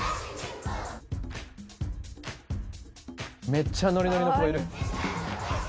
めっちゃノリノリの子がいる。